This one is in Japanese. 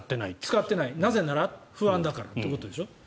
使っていない、なぜなら不安だからってことでしょ。